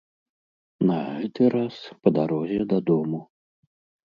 На гэты раз па дарозе дадому.